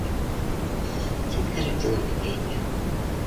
Тиҙ кәрәк, ти Нурбикә еңгә